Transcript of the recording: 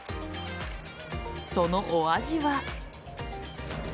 そのお味は？